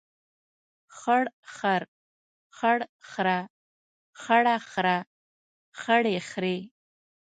خړ خر، خړ خره، خړه خره، خړې خرې.